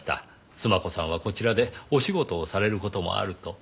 須磨子さんはこちらでお仕事をされる事もあると。